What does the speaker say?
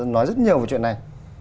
nói rất nhiều về chuyện này